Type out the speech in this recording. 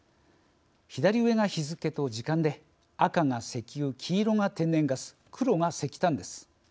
左上が日付と時間で赤が石油黄色が天然ガス黒が石炭です。